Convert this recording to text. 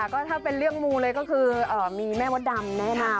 ก็ถ้าเป็นเรื่องมูเลยก็คือมีแม่มดดำแนะนำ